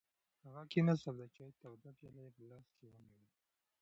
هغه کېناست او د چای توده پیاله یې په لاس کې ونیوله.